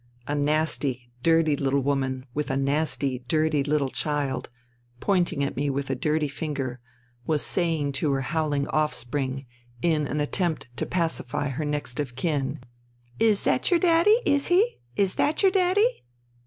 A nasty dirty little woman with a nasty dirty little child, pointing at me with a dirty finger, was saying to her howhng offspring, in an attempt to pacify her next of kin, " Is that your daddy, is he ? Is that your daddy